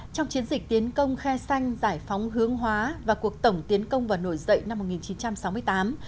trong chiến dịch tiến công khe xanh giải phóng hướng hóa và cuộc tổng tiến công và nổi dậy năm một nghìn chín trăm sáu mươi tám